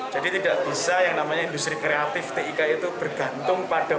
tidak bisa yang namanya industri kreatif tik itu bergantung pada